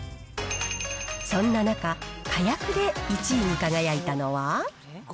そんな中、かやくで１位に輝いたのは。